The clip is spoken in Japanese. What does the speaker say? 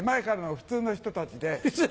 「普通の人たち」！